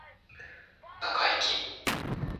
中イキ